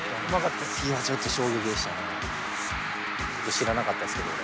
知らなかったですけど俺。